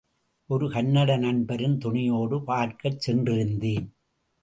ஒரு கன்னட நண்பரின் துணையோடு பார்க்கச் சென்றிருந்தேன்.